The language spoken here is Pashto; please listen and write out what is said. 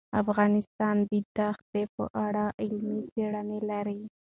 افغانستان د دښتې په اړه علمي څېړنې لري.